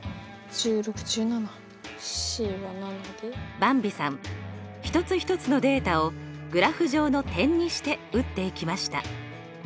ばんびさん一つ一つのデータをグラフ上の点にして打っていきました。